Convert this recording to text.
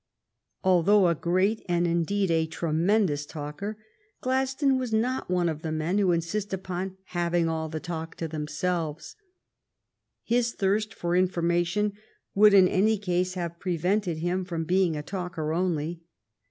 Although a great and indeed a tremendous talker, Gladstone was not one of the men who insist upon having all the talk to themselves. His thirst for information would in any case have prevented him from being a talker only.